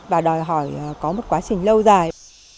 và đòi hỏi có một quá trình lâu dài